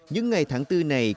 những ngày tháng tư này